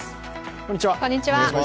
こんにちは。